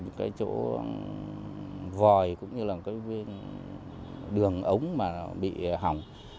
những cái chỗ vòi cũng như là cái đường ống mà bị hỏng